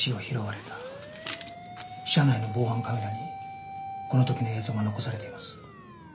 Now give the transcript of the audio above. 車内の防犯カメラにこの時の映像が残されています。